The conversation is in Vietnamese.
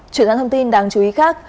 chuyển sang thông tin đáng chú ý khác